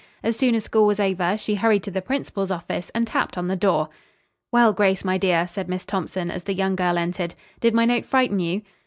As soon as school was over she hurried to the principal's office and tapped on the door. "Well, Grace, my dear," said Miss Thompson, as the young girl entered, "did my note frighten you?"